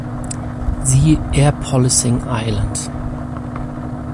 Siehe Air Policing Island.